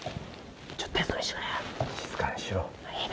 ちょっとテスト見してくれよ。